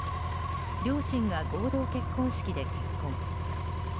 両親が合同結婚式で結婚。